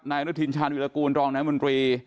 อนุทินชาญวิรากูลรองนายมนตรี